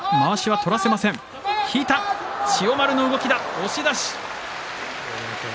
押し出し。